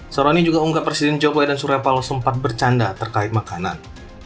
serooni juga unggah presiden joko widodo dan surapalo sempat bercanda terkait makanan